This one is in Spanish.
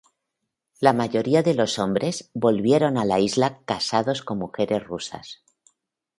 La mayoría de los hombres volvieron a la isla casados con mujeres rusas.